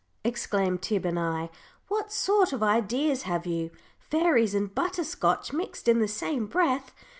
_" exclaimed Tib and I, "what sort of ideas have you? Fairies and butter scotch mixed in the same breath.